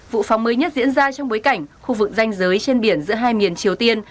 vụ phóng mới nhất diễn ra trong bối cảnh khu vực danh giới trên biển giữa hai miền triều tiên